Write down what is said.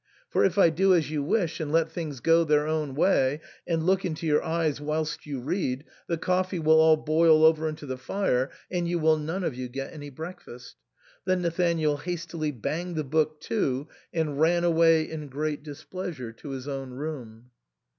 For if I do as you wish, and let things go their own way, and look into your eyes whilst you read, the coffee will all boil over into the fire, and you will none of you get any breakfast." Then Nathanael hastily banged the book to and ran away in great displeasure to his own room.